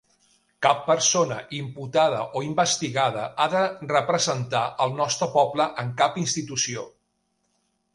Cap persona imputada o investigada ha de representar el nostre poble en cap institució.